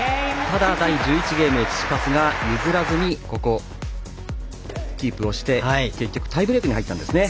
１１ゲームチチパスが譲らずにキープをして結局、タイブレークに入ったんですね。